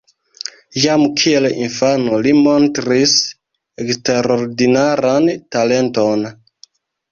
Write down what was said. Jam kiel infano li montris eksterordinaran talenton.